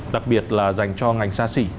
đặc biệt là dành cho ngành xa xỉ